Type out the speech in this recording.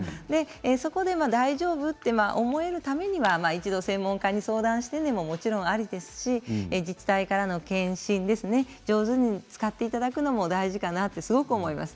そこでは大丈夫と思えるためには専門家に相談していただくのもありですし自治体からの検診を上手に使っていただくのも大事だなと思います。